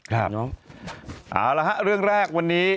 เอาละฮะเรื่องแรกวันนี้